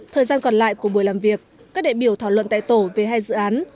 thời gian còn lại của buổi làm việc các đại biểu thảo luận tại tổ về hai dự án